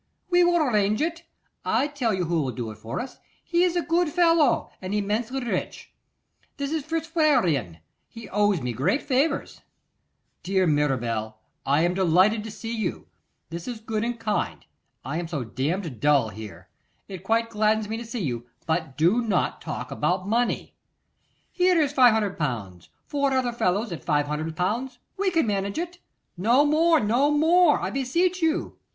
'We will arrange it: I tell you who will do it for us. He is a good fellow, and immensely rich: it is Fitzwarrene; he owes me great favours.' 'Dear Mirabel, I am delighted to see you. This is good and kind. I am so damned dull here. It quite gladdens me to see you; but do not talk about money.' 'Here is 500L.; four other fellows at 500L. we can manage it.' 'No more, no more! I beseech you.